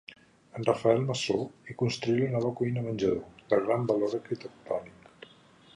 En Rafael Masó hi construí la nova cuina-menjador, de gran valor arquitectònic.